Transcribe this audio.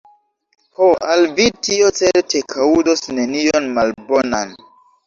Ho, al vi tio certe kaŭzos nenion malbonan!